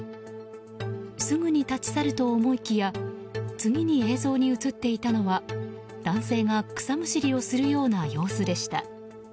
すぐに立ち去ると思いきや次に映像に映っていたのは男性が草むしりをするような様子でした。